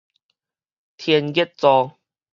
天蠍座